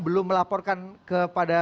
belum melaporkan kepada